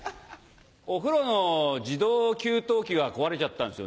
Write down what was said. お風呂の自動給湯器が壊れちゃったんすよね。